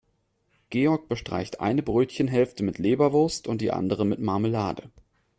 Georg bestreicht eine Brötchenhälfte mit Leberwurst und die andere mit Marmelade.